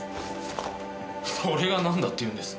それがなんだっていうんです。